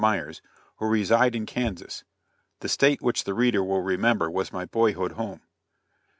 Myers who reside in Kansas, the state which the reader will remember was my boyhood home.